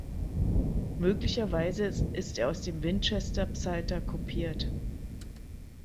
Möglicherweise ist er aus dem Winchester-Psalter kopiert.